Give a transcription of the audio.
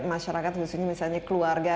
masyarakat khususnya misalnya keluarga